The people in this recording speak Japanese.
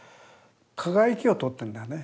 輝きを撮ってるんだよね